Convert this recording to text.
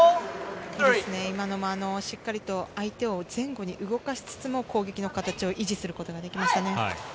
しっかりと相手を前後に動かしつつも攻撃の形を維持することができましたね。